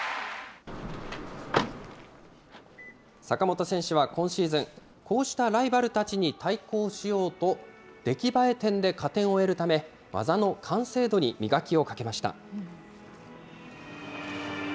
坂本選手は今シーズン、こうしたライバルたちに対抗しようと、出来栄え点で加点を得るため、技の完成度に磨きをかけました。